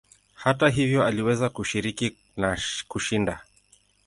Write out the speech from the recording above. Hata hivyo aliweza kushiriki na kushinda.